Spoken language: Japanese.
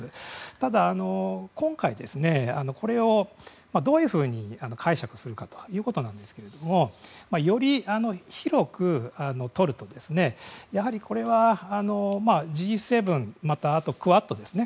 ただ、今回これをどういうふうに解釈するかということなんですがより広くとるとやはり、これはＧ７また、クアッドですね。